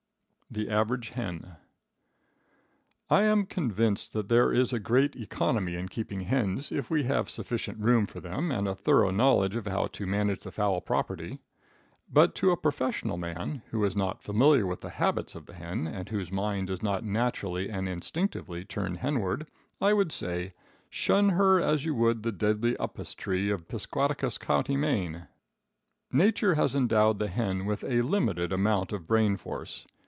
The Average Hen. I am convinced that there is great economy in keeping hens if we have sufficient room for them and a thorough knowledge of how to manage the fowl property. But to the professional man, who is not familiar with the habits of the hen, and whose mind does not naturally and instinctively turn henward, I would say: Shun her as you would the deadly upas tree of Piscataquis county, Me. Nature has endowed the hen with but a limited amount of brain force.